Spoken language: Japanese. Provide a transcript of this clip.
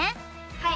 はい！